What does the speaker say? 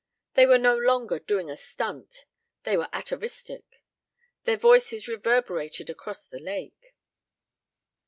They were no longer doing a stunt, they were atavistic. Their voices reverberated across the lake.